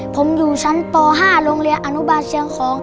ผมอยู่ชั้นป๕โรงเรียนอนุบาลเชียงของ